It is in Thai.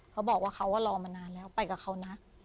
เขาบอกว่าเขาก็รอมานานแล้วไปกับเขานะ